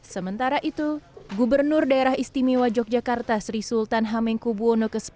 sementara itu gubernur daerah istimewa yogyakarta sri sultan hamengku buwono x